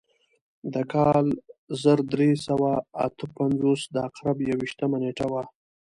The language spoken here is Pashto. د کال زر درې سوه اته پنځوس د عقرب یو ویشتمه نېټه وه.